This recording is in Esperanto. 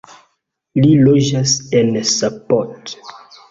Li loĝas en Sopot.